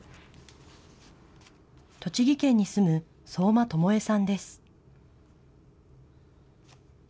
栃木県に住む相馬朋恵さんです。